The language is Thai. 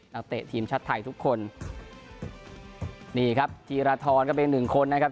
เตะทีมชาติไทยทุกคนนี่ครับธีรทรก็เป็นหนึ่งคนนะครับ